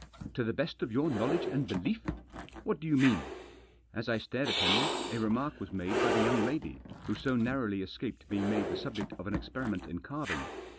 — to the best of your knowledge and belief? — what do you mean ?" As I stared at him, a remark was made by the young lady who so narrowly escaped being made the subject of an experiment in carving.